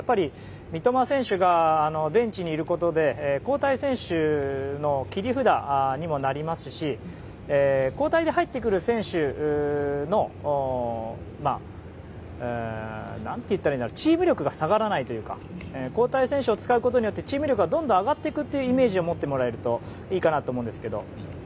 三笘選手がベンチにいることで交代選手の切り札にもなりますし交代で入ってくる選手のチーム力が下がらないというか交代選手を使うことによってチーム力がどんどん上がっていくというイメージを持ってもらえるといいかなと思うんですけど。